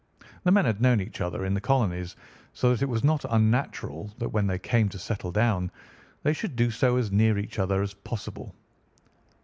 The men had known each other in the colonies, so that it was not unnatural that when they came to settle down they should do so as near each other as possible.